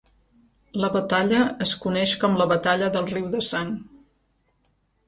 La batalla es coneix com la Batalla del riu de sang.